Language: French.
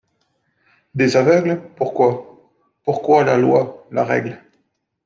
Des aveugles ! Pourquoi ? Pourquoi la loi, la-règle